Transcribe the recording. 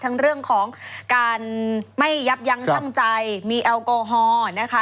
ทั้งเรื่องของการไม่ยับยั้งชั่งใจมีแอลกอฮอล์นะคะ